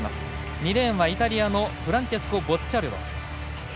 ２レーンはイタリアのフランチェスコ・ボッチャルド。